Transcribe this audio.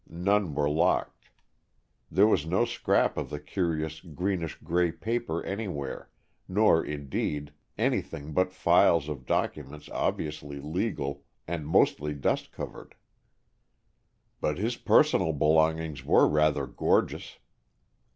None were locked. There was no scrap of the curious greenish gray paper anywhere, nor, indeed, anything but files of documents obviously legal, and mostly dust covered. "But his personal belongings were rather gorgeous."